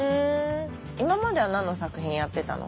今までは何の作品やってたの？